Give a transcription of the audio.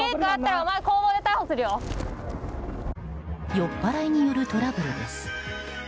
酔っ払いによるトラブルです。